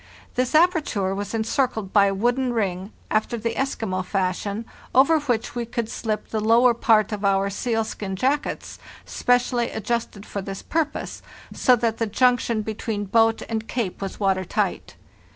This aperture was encircled by a wooden ring, after the Eskimo fashion, over which we could slip the lower part of our sealskin jackets, specially adjusted for this purpose, so that the junction between boat and jacket was water tight.